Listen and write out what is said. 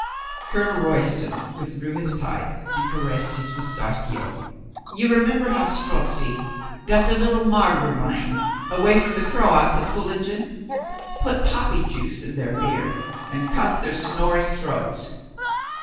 Colonel Royston withdrew his pipe and caressed his moustachio. "You remember how Strozzi got the little Margravine away from the Croats at Pfiil lingen? Put poppy juice in their beer and cut their snoring throats.